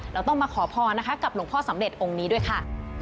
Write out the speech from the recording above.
เราต้องมาขอพรนะคะกับหลวงพ่อสำเร็จองค์นี้ด้วยค่ะ